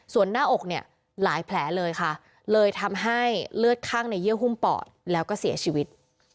ส่วนหน้าอกเนี่ยหลายแผลเลยค่ะเลยทำให้เลือดข้างในเยื่อหุ้มปอดแล้วก็เสียชีวิต